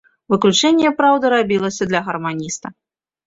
Выключэнне, праўда, рабілася для гарманіста.